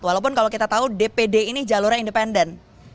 walaupun kalau kita tahu dpd ini jalurnya independen